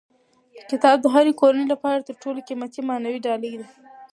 کتاب د هرې کورنۍ لپاره تر ټولو قیمتي او معنوي ډالۍ ده.